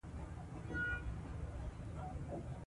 ،که د خوښې پوهنځۍ ته کاميابه نشم.